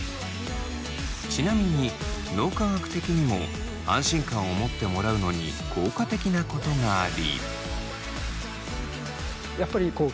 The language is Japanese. ちなみに脳科学的にも安心感を持ってもらうのに効果的なことがあり。